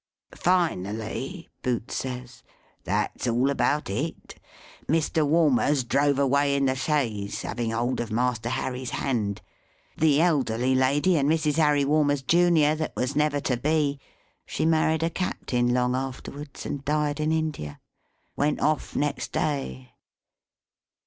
Finally, Boots says, that's all about it. Mr. Walmers drove away in the chaise, having hold of Master Harry's hand. The elderly lady and Mrs. Harry Walmers, Junior, that was never to be (she married a Captain long afterwards, and died in India), went off next day.